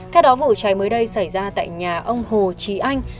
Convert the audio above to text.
theo đó vụ cháy mới đây xảy ra tại nhà ông hồ trí anh